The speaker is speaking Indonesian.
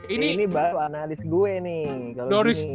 ini baru analis gue nih